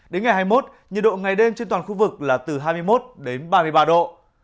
đến ngày hai mươi một nhiệt độ ngày đêm trên toàn khu vực là từ hai mươi một đến ba mươi ba độ